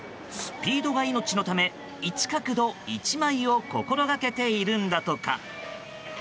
スピードが命のため１角度１枚を心がけているんだとか。